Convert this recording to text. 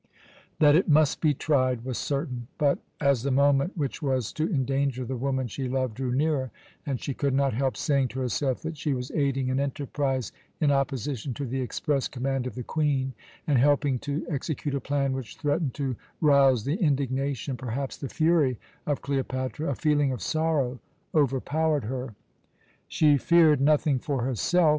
That it must be tried was certain; but as the moment which was to endanger the woman she loved drew nearer, and she could not help saying to herself that she was aiding an enterprise in opposition to the express command of the Queen and helping to execute a plan which threatened to rouse the indignation, perhaps the fury, of Cleopatra, a feeling of sorrow overpowered her. She feared nothing for herself.